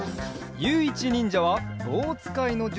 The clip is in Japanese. ゆういちにんじゃはぼうつかいのじゅ